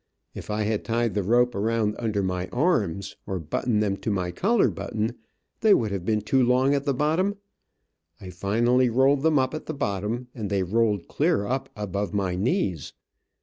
If I had tied the rope around under my arms, or buttoned them to my collar button, they would have been too long at the bottom. I finally rolled them up at the bottom, and they rolled clear up above my knees.